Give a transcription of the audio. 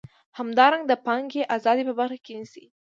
همدارنګه د پانګې ازادي په بر کې نیسي.